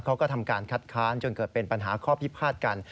เขาก็ทำการคัดค้านจนเกิดเป็นปัญหาข้อพิพาทกัน